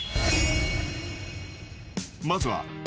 ［まずは］